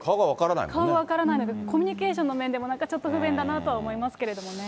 顔が分からなくて、コミュニケーションの面でも、なんかちょっと不便だなとは思いま